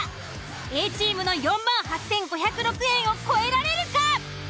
Ａチームの４８，５０６円を超えられるか！？